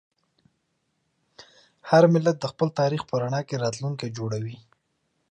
هر ملت د خپل تاریخ په رڼا کې خپل راتلونکی جوړوي.